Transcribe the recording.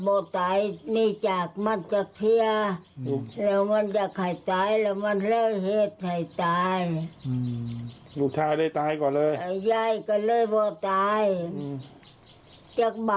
พ่อไปฟังหน่อยครับ